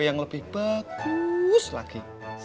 yang lebih bagus lagi